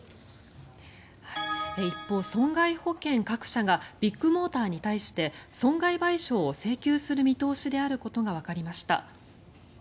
一方、損害保険各社がビッグモーターに対して損害賠償を請求する見通しであることがわかりました。